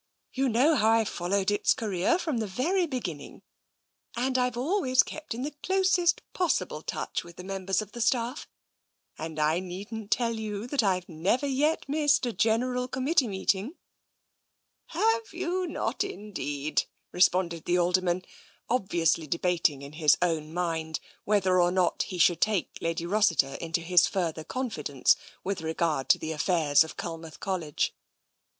You know how I've followed its career from the very beginning and always kept in the closest possible touch i88 TENSION with the members of the staff. And I needn't tell you that Fve never yet missed a General Committee meet • if mg.' Have you not, indeed! " responded the Alderman, obviously debating in his own mind whether or not he should take Lady Rossiter into his further confidence with regard to the affairs of Culmouth College.